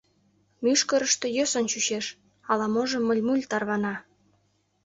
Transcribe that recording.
Мӱшкырыштӧ йӧсын чучеш, ала-можо мыль-муль тарвана.